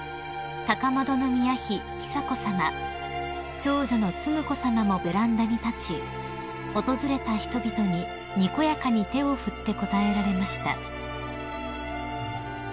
長女の承子さまもベランダに立ち訪れた人々ににこやかに手を振って応えられました］